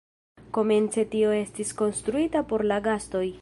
Komence tio estis konstruita por la gastoj.